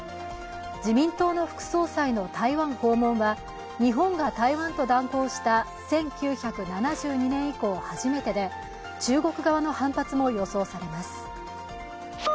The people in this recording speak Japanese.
自民党の副総裁の台湾訪問は日本が台湾と断交した１９７２年以降初めてで、中国側の反発も予想されます。